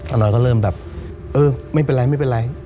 อาน้อยก็เริ่มแบบเออไม่เป็นไร